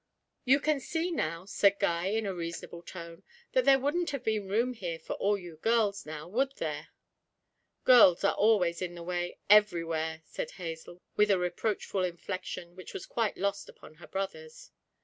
'You can see now,' said Guy, in a reasonable tone, 'that there wouldn't have been room here for all you girls now, would there?' 'Girls are always in the way everywhere,' said Hazel, with a reproachful inflection which was quite lost upon her brothers.